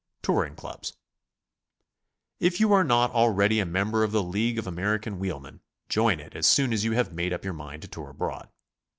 TOURING CLUBS. If you are not already ^ member of the League of American Wheelmen, join it as soon as you have made up your mind to tour abroad.